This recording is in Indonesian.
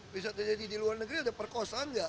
bisa terjadi di luar negeri ada perkosaan nggak